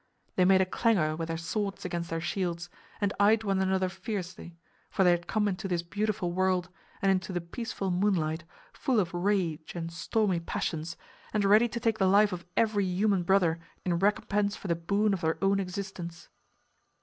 They made a clangor with their swords against their shields, and eyed one another fiercely; for they had come into this beautiful world and into the peaceful moonlight full of rage and stormy passions and ready to take the life of every human brother in recompense for the boon of their own existence.